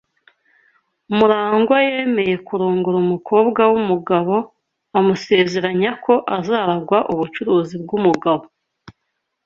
MuragwA yemeye kurongora umukobwa wumugabo amusezeranya ko azaragwa ubucuruzi bwumugabo.